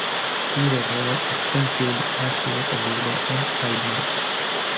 He recorded extensively as both a leader and sideman.